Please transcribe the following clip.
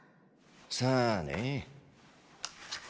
さあね。